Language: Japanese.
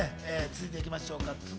続いて行きましょう！